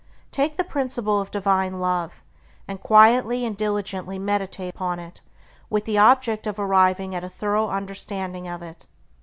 Take the principle of divine Love, and quietly and diligently meditate upon it with the object of arriving at a thorough understanding of it.